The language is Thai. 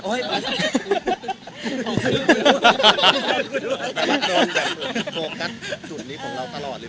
คำนั้นโดยโฟกัสของเราตลอดเลย